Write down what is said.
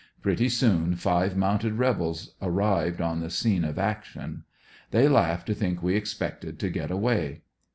Pretty soon five mounted rebels arrived on the scene of action. They laughed to think we expected to get away.